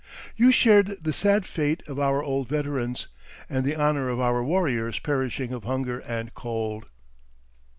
You shared the sad fate of our old veterans, and the honor of our warriors perishing of hunger and cold."